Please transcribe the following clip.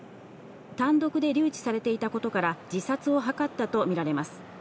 単独で留置されていたことから自殺を図ったとみられます。